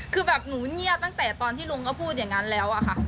คือแบบหนูเงียบตั้งแต่ตอนที่ลุงก็พูดอย่างนั้นแล้วอะค่ะ